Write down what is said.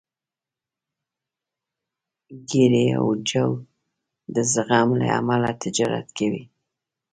ګېري او جو د زغم له امله تجارت کوي.